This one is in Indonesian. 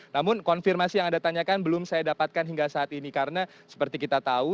namun konfirmasi yang anda tanyakan belum saya dapatkan hingga saat ini karena seperti kita tahu